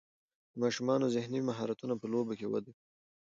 د ماشومانو ذهني مهارتونه په لوبو کې وده کوي.